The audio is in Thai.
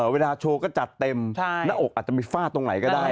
เวลาโชว์ก็จัดเต็มหน้าอกอาจจะมีฟาดตรงไหนก็ได้